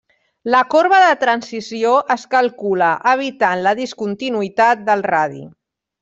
La corba de transició es calcula evitant la discontinuïtat del radi.